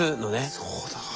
そうだ。